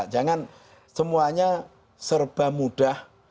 jangan semuanya serba mudah